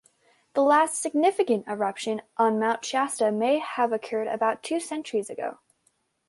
The last significant eruption on Mount Shasta may have occurred about two centuries ago.